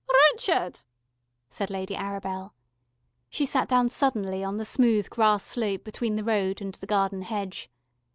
"RRCHUD!" said Lady Arabel. She sat down suddenly on the smooth grass slope between the road and the garden hedge.